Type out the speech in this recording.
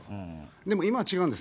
でも今は違うんです。